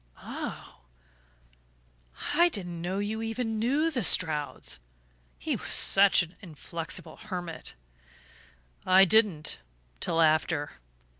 "Ah I didn't know you even knew the Strouds. He was such an inflexible hermit." "I didn't till after....